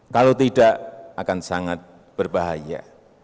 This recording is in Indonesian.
kalau tidak akan sangat berbahaya